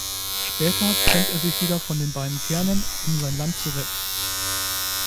Später trennt er sich wieder von den beiden Kernen, um sein Land zu retten.